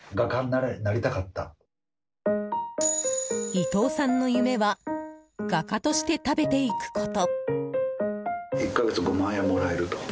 伊藤さんの夢は画家として食べていくこと。